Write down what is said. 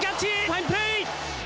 ファインプレー！